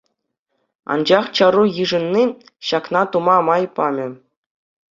Анчах чару йышӑнни ҫакна тума май памӗ.